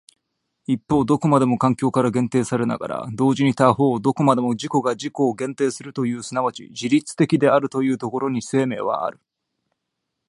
一方どこまでも環境から限定されながら同時に他方どこまでも自己が自己を限定するという即ち自律的であるというところに生命はある。